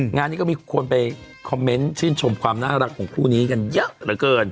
งานนี้ก็มีคนไปคอมเมนต์ชื่นชมความน่ารักของคู่นี้กันเยอะเหลือเกิน